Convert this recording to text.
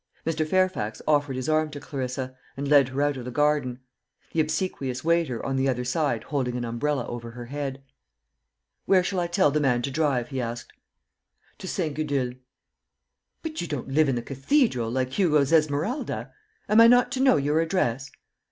Mr. Fairfax offered his arm to Clarissa, and led her out of the garden; the obsequious waiter on the other side holding an umbrella over her head. "Where shall I tell the man to drive?" he asked. "To St. Gudule." "But you don't live in the cathedral, like Hugo's Esmeralda. Am I not to know your address?"